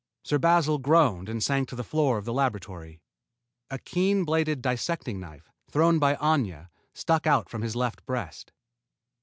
Sir Basil groaned and sank to the floor of the laboratory. A keen bladed dissecting knife, thrown by Aña, stuck out from his left breast.